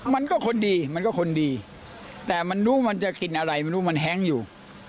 มันก็คนดีมันก็คนดีแต่มันรู้มันจะกินอะไรไม่รู้มันแห้งอยู่